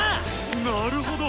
なるほど！